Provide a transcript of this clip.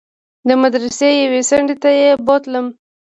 د مدرسې يوې څنډې ته يې بوتلم.